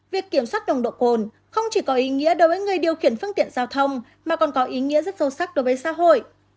việc kiểm soát nồng độ cồn không chỉ có ý nghĩa đối với người điều khiển phương tiện giao thông mà còn có ý nghĩa rất sâu sắc đối với xã hội